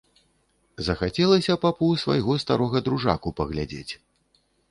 Захацелася папу свайго старога дружаку паглядзець.